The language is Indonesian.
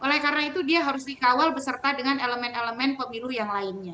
oleh karena itu dia harus dikawal beserta dengan elemen elemen pemilu yang lainnya